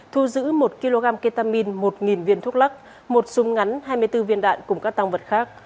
thu giữ một kg ketamin một viên thuốc lắc một súng ngắn hai mươi bốn viên đạn cùng các tăng vật khác